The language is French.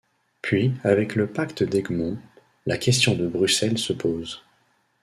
Puis avec le Pacte d'Egmont, la question de Bruxelles se pose.